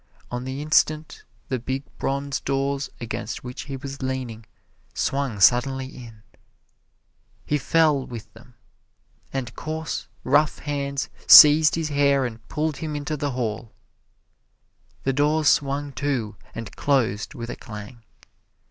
On the instant the big bronze doors against which he was leaning swung suddenly in. He fell with them, and coarse, rough hands seized his hair and pulled him into the hall. The doors swung to and closed with a clang.